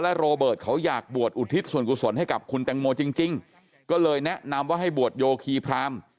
โรเบิร์ตเขาอยากบวชอุทิศส่วนกุศลให้กับคุณแตงโมจริงก็เลยแนะนำว่าให้บวชโยคีพราม